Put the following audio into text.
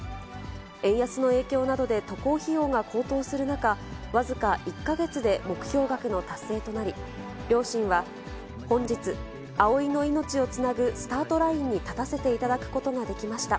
円安の影響などで渡航費用が高騰する中、僅か１か月で目標額の達成となり、両親は、本日、葵の命をつなぐスタートラインに立たせていただくことができました。